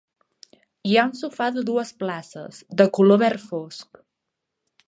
Hi ha un sofà de dues places, de color verd fosc.